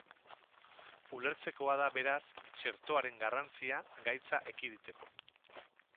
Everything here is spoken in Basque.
Ulertzekoa da, beraz, txertoaren garrantzia gaitza ekiditeko.